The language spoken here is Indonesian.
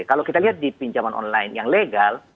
kalau kita lihat di pinjaman online yang legal